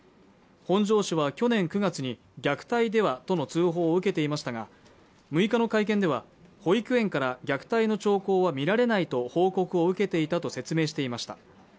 本庄市は去年９月に虐待ではとの通報を受けていましたが６日の会見では保育園から虐待の兆候は見られないと報告を受けていたと説明していました